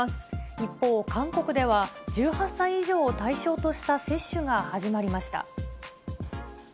一方、韓国では、１８歳以上を対象とした接種が始まりました。